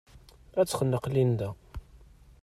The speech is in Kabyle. Ad t-texneq Linda.